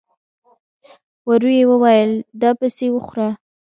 ورو يې وويل: دا پسې وخوره!